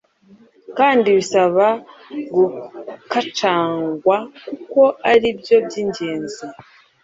kandi bisaba gukacangwa, kuko ari byo by’ingenzi.